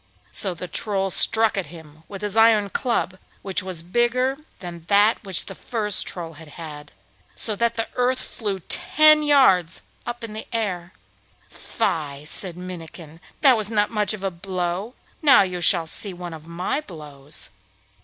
So the Troll struck at him with his iron club—which was still bigger than that which the first Troll had had—so that the earth flew ten yards up in the air. 'Fie!' said Minnikin. 'That was not much of a blow. Now you shall see one of my blows.